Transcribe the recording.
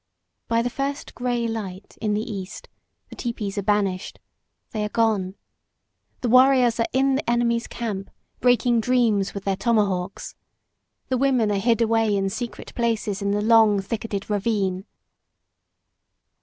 By the first gray light in the east the tepees are banished. They are gone. The warriors are in the enemy's camp, breaking dreams with their tomahawks. The women are hid away in secret places in the long thicketed ravine.